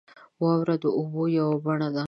• واوره د اوبو یوه بڼه ده.